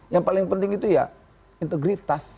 yang paling penting itu ya integritas